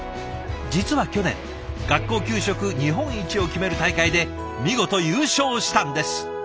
実は去年学校給食日本一を決める大会で見事優勝したんです。